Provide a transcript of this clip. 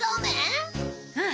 うん。